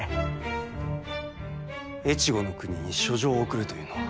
越後国に書状を送るというのは？